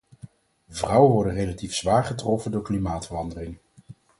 Vrouwen worden relatief zwaar getroffen door klimaatverandering.